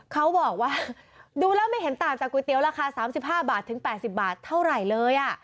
เขาบอกว่าดูแล้วไม่เห็นต่างจากก๋วเตี๋ยราคา๓๕บาทถึง๘๐บาทเท่าไหร่เลย